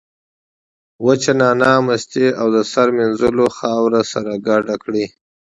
وچه نعناع، مستې او د سر مینځلو خاوره سره ګډ کړئ.